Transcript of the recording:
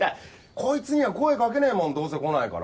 こいつには声かけねえもんどうせ来ないから。